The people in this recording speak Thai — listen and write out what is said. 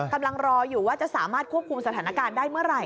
กำลังรออยู่ว่าจะสามารถควบคุมสถานการณ์ได้เมื่อไหร่